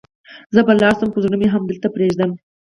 زه به لاړ شم، خو زړه مې همدلته پرېږدم.